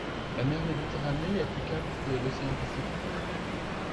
La mer Méditerranée est plus calme que l'océan Pacifique.